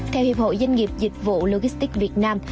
theo hiệp hội doanh nghiệp dịch vụ logistics việt nam